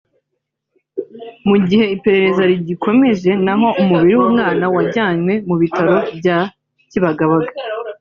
mu gihe iperereza rigikomeje naho umubiri w’umwana wajyanywe mu bitaro bya Kibagabaga